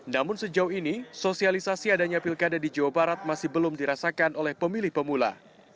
namun sejauh ini sosialisasi adanya pilkada di jawa barat masih belum dirasakan oleh pemilih pemula